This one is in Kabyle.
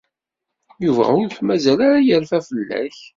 Yuba ur t-mazal ara yerfa fell-ak.